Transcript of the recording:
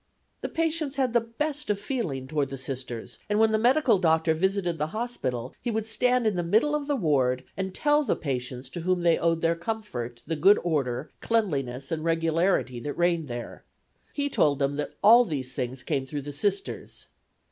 The patients had the best of feeling toward the Sisters, and when the medical doctor visited the hospital he would stand in the middle of the ward and tell the patients to whom they owed their comfort, the good order, cleanliness and regularity that reigned there. He told them that all these things came through the Sisters.